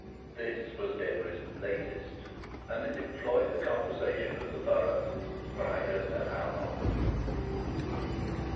This was Denry's "latest," and it employed the conversation of the borough for I don't know how long.